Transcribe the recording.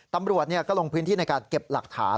ตำรวจก็ลงพื้นที่ในการเก็บหลักฐาน